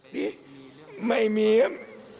นี่ไม่มีครับ